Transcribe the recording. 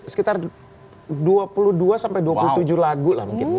sekitar dua puluh dua sampai dua puluh tujuh lagu lah mungkin